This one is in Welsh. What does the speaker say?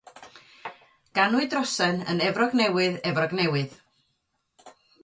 Ganwyd Rosen yn Efrog Newydd, Efrog Newydd.